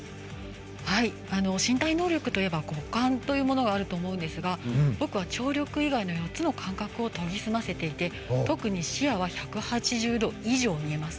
身体能力といえば五感というものがあると思うんですが僕は聴力以外の４つの感覚を研ぎ澄ませていて、特に視野は１８０度以上見えます。